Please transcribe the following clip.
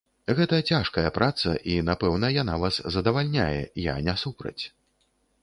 Гэта цяжкая праца, і напэўна, яна вас задавальняе, я не супраць.